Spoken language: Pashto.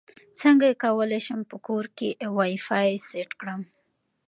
څنګه کولی شم په کور کې وائی فای سیټ کړم